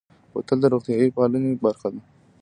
بوتل د روغتیا پالنې برخه ده.